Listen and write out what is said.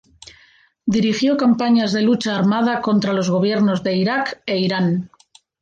Dirigió campañas de lucha armada contra los gobiernos de Irak e Irán.